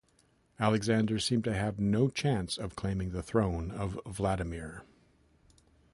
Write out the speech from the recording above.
Alexander seemed to have no chance of claiming the throne of Vladimir.